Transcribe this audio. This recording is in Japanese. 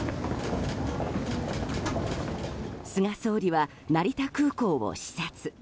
菅総理は成田空港を視察。